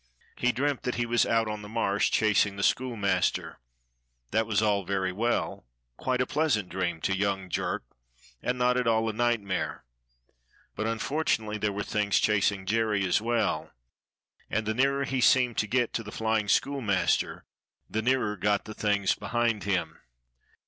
He dreamt that he was out on the Marsh chasing the schoolmaster: that was all very well, quite a pleasant dream to young Jerk and not at all a nightmare, but unfortunately there were things chasing Jerry as well, and the nearer he seemed to get to the flying schoolmaster the nearer got the things behind him.